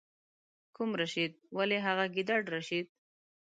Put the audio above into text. کوم رشید؟ ولې هغه ګیدړ رشید.